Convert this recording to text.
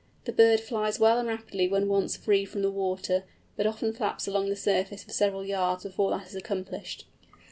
The bird flies well and rapidly when once free from the water, but often flaps along the surface for several yards before that is accomplished.